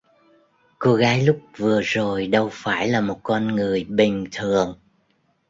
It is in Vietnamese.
Cô gái lúc vừa rồi đâu phải là một con người bình thường